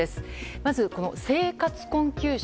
まず、生活困窮者。